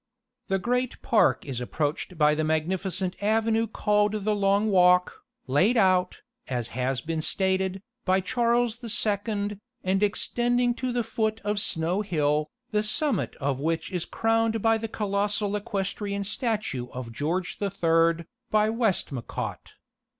The great park is approached by the magnificent avenue called the Long Walk, laid out, as has been stated, by Charles the Second, and extending to the foot of Snow Hill, the summit of which is crowned by the colossal equestrian statue of George the Third, by Westmacott.